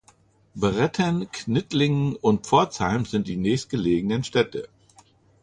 Bretten, Knittlingen und Pforzheim sind die nächstgelegenen Städte.